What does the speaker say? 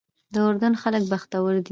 د اردن خلک بختور دي.